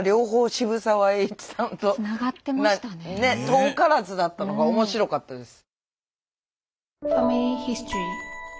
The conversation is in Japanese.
遠からずだったのが面白かったです。